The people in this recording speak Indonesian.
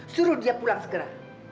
suruh dia pulang segera